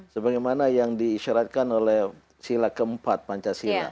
sebagaimana yang diisyaratkan oleh sila keempat pancasila